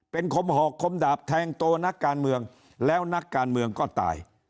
เป็นคมหอกคมดาบแทงตัวนักการเมืองแล้วนักการเมืองก็ตาย